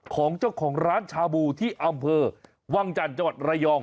ของเจ้าของร้านชาบูที่อำเภอวังจันทร์จังหวัดระยอง